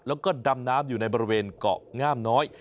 แล้วก็ดำน้ำอยู่ในบริเวณเกาะงามน้อย